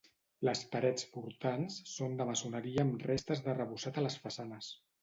Les parets portants són de maçoneria amb restes d'arrebossat a les façanes.